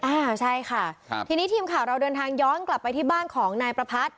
อ่าใช่ค่ะครับทีนี้ทีมข่าวเราเดินทางย้อนกลับไปที่บ้านของนายประพัทธ